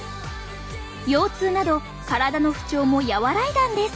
腰痛など体の不調も和らいだんです。